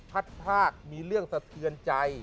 พัดพรากมีเรื่องสะเทือนใจ